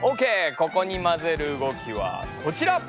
ここにまぜる動きはこちら！